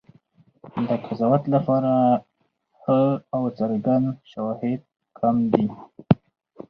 د قضاوت لپاره ښه او څرګند شواهد کم دي.